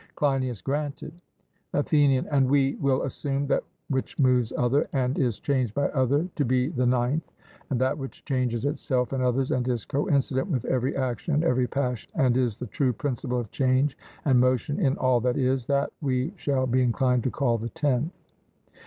CLEINIAS: Granted. ATHENIAN: And we will assume that which moves other, and is changed by other, to be the ninth, and that which changes itself and others, and is coincident with every action and every passion, and is the true principle of change and motion in all that is that we shall be inclined to call the tenth.